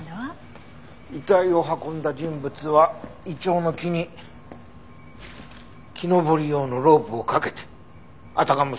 遺体を運んだ人物はイチョウの木に木登り用のロープをかけてあたかも